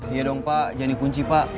iya dong pak jangan dikunci pak